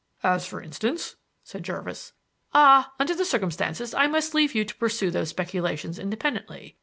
"As, for instance," said Jervis. "Ah, under the circumstances, I must leave you to pursue those speculations independently.